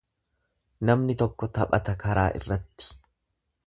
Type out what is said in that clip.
Namni tokko taphata karaa irratti.